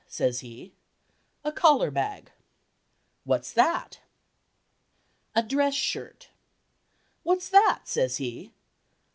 says he. "A collar bag." "What's that?" "A dress shirt." "What's that?" says he.